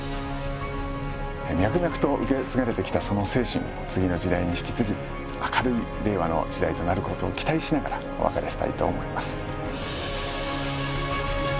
脈々と受け継がれてきたその精神次の時代に引き継ぎ明るい令和の時代となることを期待しながらお別れしたいと思います。